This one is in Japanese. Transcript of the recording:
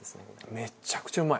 めっちゃくちゃうまい。